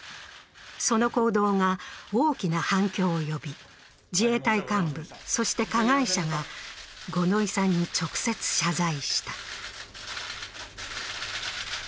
その行動が大きな反響を呼び、自衛隊幹部、そして加害者が五ノ井さんに直接謝罪した。